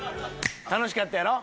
楽しかったやろ？